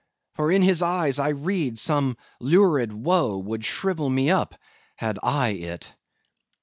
For in his eyes I read some lurid woe would shrivel me up, had I it.